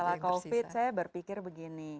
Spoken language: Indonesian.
sekarang yang mana saja yang tersisa